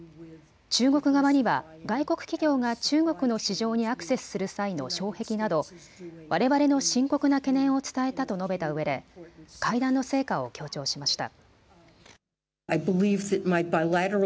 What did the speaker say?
中国側には外国企業が中国の市場にアクセスする際の障壁などわれわれの深刻な懸念を伝えたと述べたうえで会談の成果を強調しました。